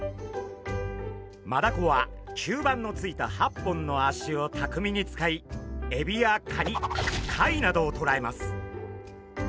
マダコは吸盤のついた８本の足をたくみに使いエビやカニ貝などをとらえます。